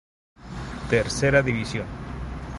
Tercera División.